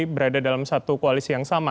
berada dalam satu koalisi yang sama